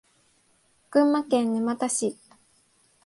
群馬県沼田市